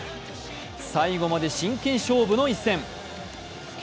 最後まで真剣勝負の一戦。